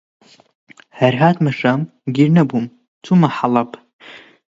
هەر هاتمە شام، گیر نەبووم چوومە حەڵەب